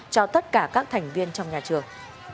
cho tất cả các thành viên trong nhà trường